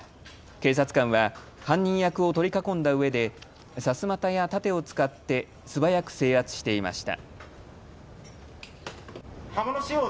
警察官は犯人役を取り囲んだうえでさすまたや盾を使って素早く制圧していました。